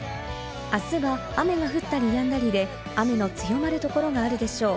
あすは雨が降ったりやんだりで、雨の強まるところがあるでしょう。